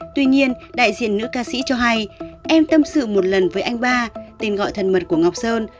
tuy nhiên đại diện nữ ca sĩ cho hay em tâm sự một lần với anh ba tên gọi thân mật của ngọc sơn